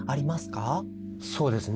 そうですね。